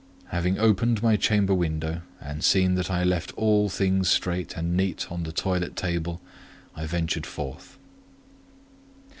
Having opened my chamber window, and seen that I left all things straight and neat on the toilet table, I ventured forth.